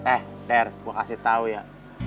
eh der gue kasih tau ya